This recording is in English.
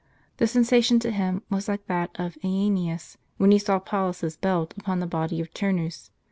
The sensation to him was like that of JEneas when he saw Pallas' s belt upon LI U ®l the body of Turnus.